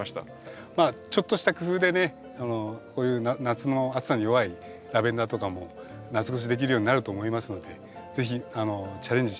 ちょっとした工夫でねこういう夏の暑さに弱いラベンダーとかも夏越しできるようになると思いますので是非チャレンジして頂きたいと思います。